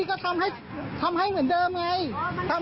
สั่งอย่างแห้งก็ทำแห้งให้ใส่๓อย่าง